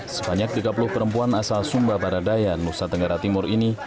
sebanyak tiga puluh perempuan asal sumba baradaya nusa tenggara timur ini